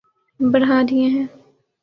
بڑھا دیے ہیں